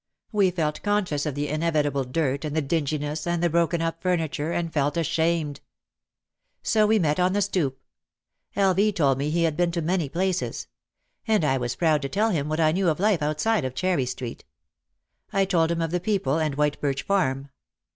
We felt conscious of the inevitable dirt and the dinginess and the broken up furniture and felt ashamed. So we met on the stoop. L. V. told me he had been to many places. And I was proud to tell him what I knew of life outside of Cherry Street. I told him of the people and White Birch Farm.